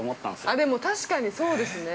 ◆あ、でも、確かにそうですね。